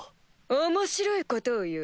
面白いことを言う。